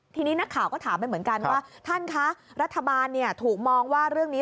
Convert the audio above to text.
ทีนี้นักข่าวก็ถามไปเหมือนกันว่าท่านคะรัฐบาลถูกมองว่าเรื่องนี้